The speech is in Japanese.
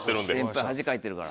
先輩恥かいてるから。